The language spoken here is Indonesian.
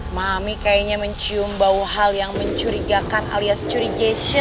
mami kayaknya mencium bau hal yang mencurigakan alias curigasi